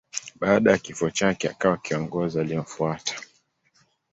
Baada ya kifo chake akawa kiongozi aliyemfuata.